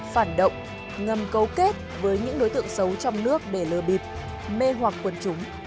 phản động ngầm cấu kết với những đối tượng xấu trong nước để lơ bịp mê hoạc quân chúng